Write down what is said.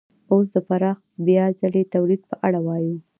اوس د پراخ بیا ځلي تولید په اړه وایو